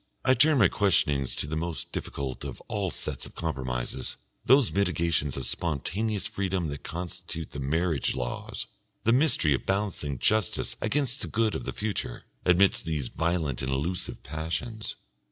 I turn my questionings to the most difficult of all sets of compromises, those mitigations of spontaneous freedom that constitute the marriage laws, the mystery of balancing justice against the good of the future, amidst these violent and elusive passions.